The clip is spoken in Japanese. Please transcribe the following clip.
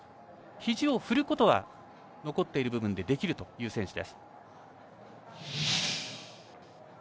ひじを振ることは残っている部分でできるという選手です。